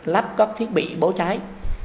lắp các thiết bị bố cháy